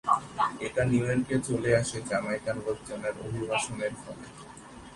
এটা নিউইয়র্কে চলে আসে জ্যামাইকান লোকজনের অভিবাসনের ফলে।